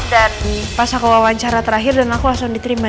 dan pas aku wawancara terakhir dan aku langsung diterima